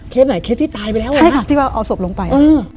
เคสไหนเคสที่ตายไปแล้วใช่ค่ะที่ว่าเอาศพลงไป